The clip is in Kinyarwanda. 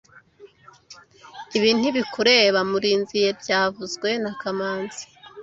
Ibi ntibikureba, Murinzi byavuzwe na kamanzi